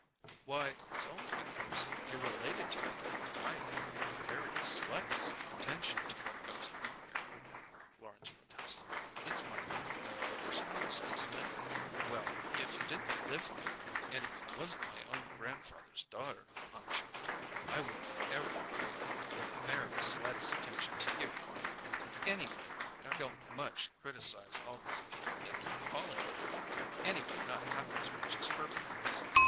"Why, it's only because you're related to me that I pay the very slightest attention to what goes on here," Florence protested. "It's my own grandfather's house, isn't it? Well, if you didn't live here, and if you wasn't my own grandfather's daughter, Aunt Julia, I wouldn't ever pay the very slightest attention to you! Anyway, I don't much criticize all these people that keep calling on you anyway not half as much as Herbert does.